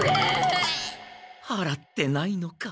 はらってないのか。